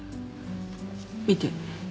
見て。